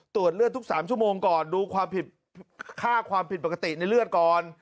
ตรวจเลือดทุก๓ชั่วโมงก่อนดูความผิดค่าความผิดปกติในเลือดก่อน